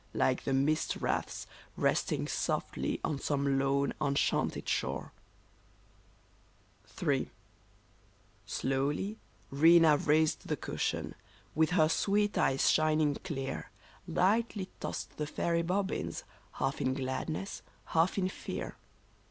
Like the mist wreaths resting softly on some lone, enchanted shore ! 156 RENA III. Slowly Rena raised the cushion, with her sweet eyes shin ing clear, Lightly tossed the fairy bobbins, half in gladness, half in fear.